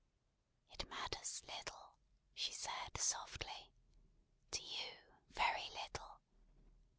"It matters little," she said, softly. "To you, very little.